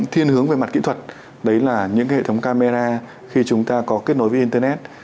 thiên hướng về mặt kỹ thuật đấy là những hệ thống camera khi chúng ta có kết nối với internet